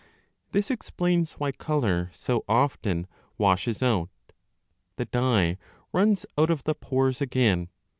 This explains why colour so often washes out : the dye runs out of the pores again.